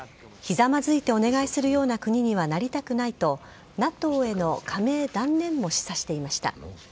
ひざまずいてお願いするような国にはなりたくないとＮＡＴＯへの加盟断念も示唆していました。